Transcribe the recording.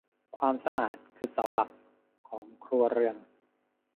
ความสะอาดคือเสาหลักของครัวเรือน